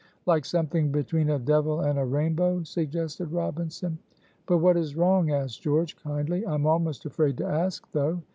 "Like something between a devil and a rainbow," suggested Robinson. "But what is wrong?" asked George, kindly. "I am almost afraid to ask, though!"